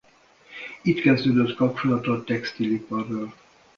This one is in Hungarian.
Itt kezdődött kapcsolata a textiliparral.